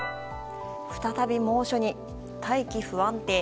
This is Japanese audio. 再び猛暑に、大気不安定。